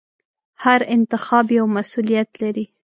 هر انتخاب یو مسؤلیت لري.